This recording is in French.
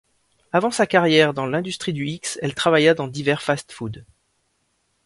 Avant sa carrière dans l'industrie du X, elle travailla dans divers fast-food.